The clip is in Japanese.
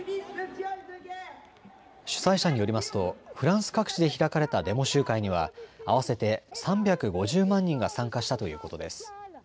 主催者によりますとフランス各地で開かれたデモ集会には合わせて３５０万人が参加したということです。